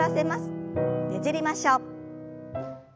ねじりましょう。